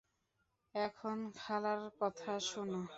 এখন খালার কথা শোনো।